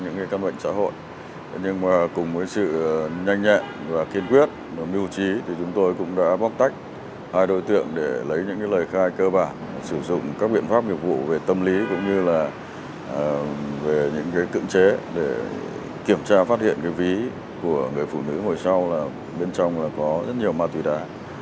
nhưng mà cùng với sự nhanh nhẹn và kiên quyết và mưu trí thì chúng tôi cũng đã bóc tách hai đối tượng để lấy những lời khai cơ bản sử dụng các biện pháp nhiệm vụ về tâm lý cũng như là về những cưỡng chế để kiểm tra phát hiện cái ví của người phụ nữ ngồi sau là bên trong là có rất nhiều ma tùy đà